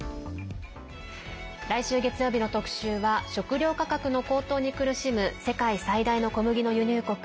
来週月曜日の特集は食料価格の高騰に苦しむ世界最大の小麦の輸入国